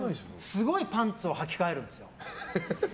すごいパンツをはき替えるんですよ。